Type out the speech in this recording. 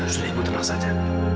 sudah ibu tenang saja